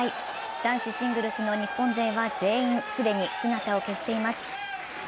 ダンシシングルスの日本勢は全員、既に姿を消しています。